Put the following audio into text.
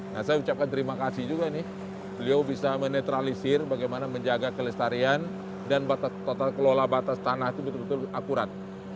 nah saya ucapkan terima kasih juga ini beliau bisa menetralisir bagaimana menjaga kelestarian dan batas kelola batas tanah itu betul betul akurat